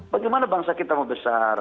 bagaimana bangsa kita mau besar